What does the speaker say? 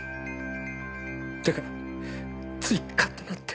だからついカッとなって。